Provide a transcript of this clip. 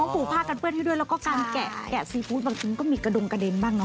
ผูกผ้ากันเปื้อนให้ด้วยแล้วก็การแกะซีฟู้ดบางทีมันก็มีกระดงกระเด็นบ้างเน